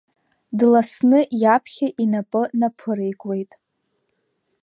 Дласны иаԥхьа инапы наԥыреикуеит.